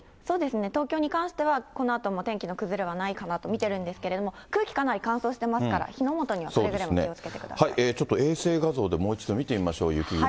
そうですね、東京に関しては、このあとも天気の崩れはないかなと見てるんですけれども、空気、かなり乾燥していますから、火の元にはくれぐれちょっと、衛星画像でもう一度見てみましょう、雪雲。